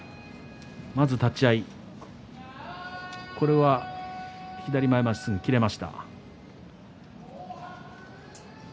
まず立ち合い左前まわし、すぐに切れました。